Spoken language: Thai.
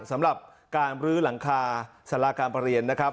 สำหรับการลื้อหลังคาสาราการประเรียนนะครับ